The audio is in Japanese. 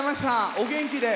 お元気で！